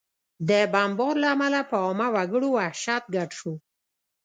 د بمبار له امله په عامه وګړو وحشت ګډ شو